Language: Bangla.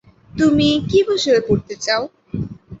তুমি কি বিষয়ে পড়তে চাও?